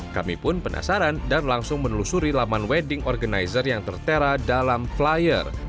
kami pun penasaran dan langsung menelusuri laman wedding organizer yang tertera dalam flyer